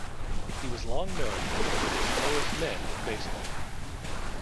He was long known as one of the slowest men in baseball.